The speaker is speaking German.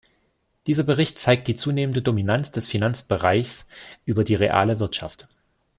Dieser Bericht zeigt die zunehmende Dominanz des Finanzbereichs über die reale Wirtschaft.